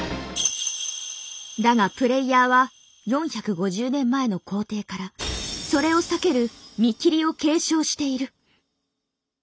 だがプレイヤーは４５０年前の皇帝からそれを避ける「見切り」を継承している。